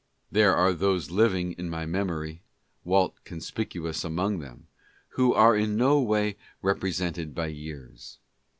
There are those living in my memory — Walt conspicuous among them — who are in no way represented by years.